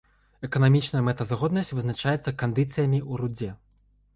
Эканамічная мэтазгоднасць вызначаецца кандыцыямі ў рудзе.